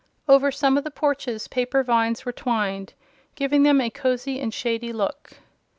Over some of the porches paper vines were twined, giving them a cozy and shady look.